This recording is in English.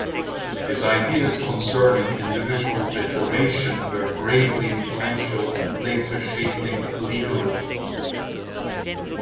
His ideas concerning individual reclamation were greatly influential in later shaping illegalism.